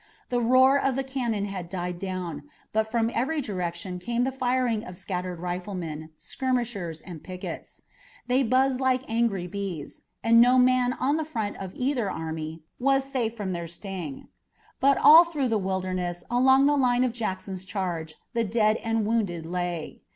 The roar of the cannon had died down, but from every direction came the firing of scattered riflemen, skirmishers and pickets. They buzzed like angry bees, and no man on the front of either army was safe from their sting. But all through the Wilderness along the line of Jackson's charge the dead and wounded lay.